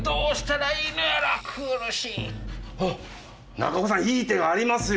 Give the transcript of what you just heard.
中岡さんいい手がありますよ！